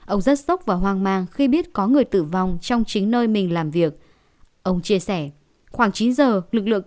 ông rất sốc và hoang mang khi biết có người tử vong trong chính nơi mình làm việc